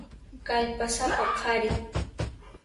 Kallpasapa qhari.